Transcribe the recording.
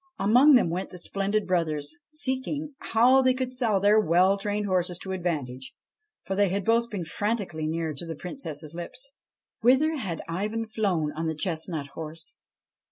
Among them went the splendid brothers, seeking how they could sell their well trained horses to advantage, for they had both been frantically near to the Princess's lips. Whither had Ivan flown on the chestnut horse?